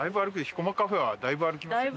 ひこまカフェはだいぶ歩きますよ。